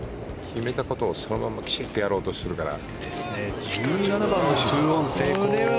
決めたことをそのままきちんとやろうとするから。